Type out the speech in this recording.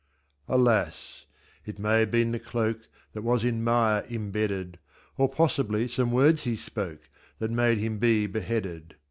Alas! It may have been the cloak That was in mire imbedded, Or possibly some words he spoke That made him be beheaded.